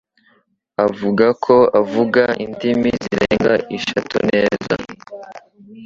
avuga ko avuga indimi zirenga eshanu neza